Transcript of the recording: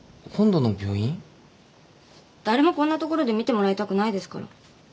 誰もこんな所で診てもらいたくないですから。